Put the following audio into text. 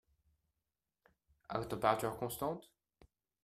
À température constante?